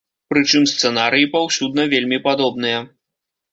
Прычым сцэнарыі паўсюдна вельмі падобныя.